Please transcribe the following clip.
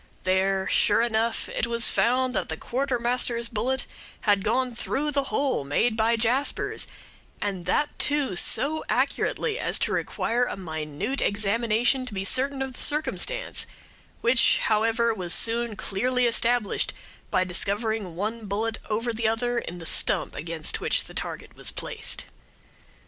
There, sure enough, it was found that the Quartermaster's bullet had gone through the hole made by Jasper's, and that, too, so accurately as to require a minute examination to be certain of the circumstance, which, however, was soon clearly established by discovering one bullet over the other in the stump against which the target was placed."